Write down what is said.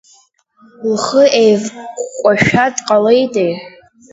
Лхы еивкәкәашәа дҟалеитеи.